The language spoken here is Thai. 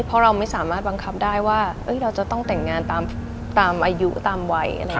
เพราะเราไม่สามารถบังคับได้ว่าเราจะต้องแต่งงานตามอายุตามวัย